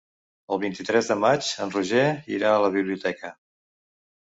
El vint-i-tres de maig en Roger irà a la biblioteca.